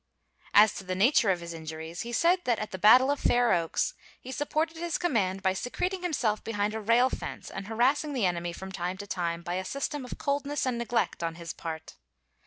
As to the nature of his injuries, he said that at the battle of Fair Oaks he supported his command by secreting himself behind a rail fence and harassing the enemy from time to time, by a system of coldness and neglect on his part.